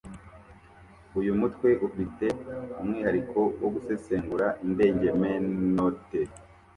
uyu mutwe ufi te umwiheriko wo gusesengure indengemenote